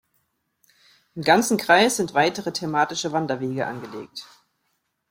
Im ganzen Kreis sind weitere thematische Wanderwege angelegt.